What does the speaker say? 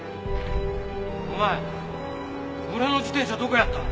お前俺の自転車どこやった！おい！